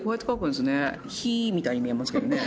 みたいに見えますけどね。